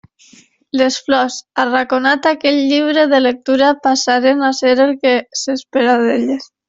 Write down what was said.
Les flors, arraconat aquell llibre de lectura, passaren a ser el que s'espera d'elles.